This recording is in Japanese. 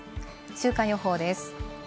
週間予報です。